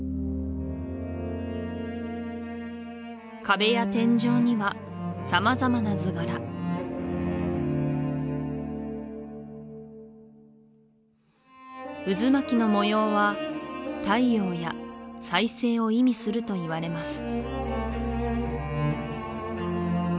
壁や天井には様々な図柄渦巻の模様は太陽や再生を意味するといわれます